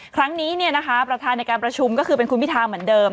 ครั้งนี้ประธานในการประชุมก็คือเป็นคุณพิธาเหมือนเดิม